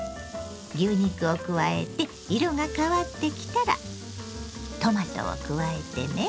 牛肉を加えて色が変わってきたらトマトを加えてね。